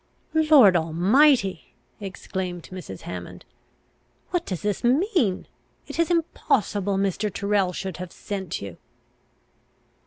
"Lord Almighty!" exclaimed Mrs. Hammond, "what does this mean? It is impossible Mr. Tyrrel should have sent you."